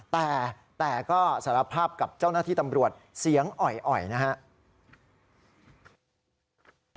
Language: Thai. แต่แต่ก็สารภาพกับเจ้าหน้าที่ตำรวจเสียงอ่อยนะครับ